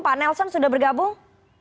pak nelson sudah bergabung